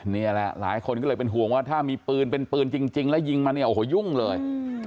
นี่แหละหลายคนก็เลยเป็นห่วงว่าถ้ามีปืนเป็นปืนจริงแล้วยิงมาเนี่ยโอ้โหยุ่งเลย